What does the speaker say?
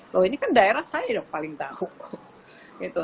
loh ini kan daerah saya yang paling tahu